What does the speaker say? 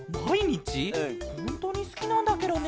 ほんとにすきなんだケロね。